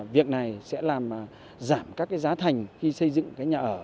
việc này sẽ làm giảm các giá thành khi xây dựng nhà ở tổ chức tốt